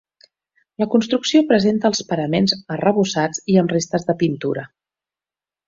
La construcció presenta els paraments arrebossats i amb restes de pintura.